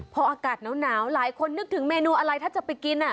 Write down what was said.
พออากาศหนาวหลายคนนึกถึงเมนูอะไรถ้าจะไปกิน